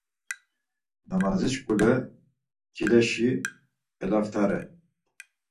Namazi şuǩule cileşi elaft̆are.